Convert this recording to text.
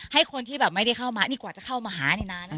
ให้คนที่แบบไม่ได้เข้ามานี่กว่าจะเข้ามาหานี่นานนะคะ